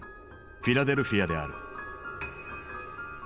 フィラデルフィアである。